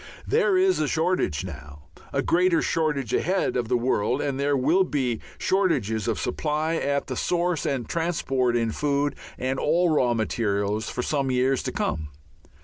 There is a shortage now, a greater shortage ahead of the world, and there will be shortages of supply at the source and transport in food and all raw materials for some years to come.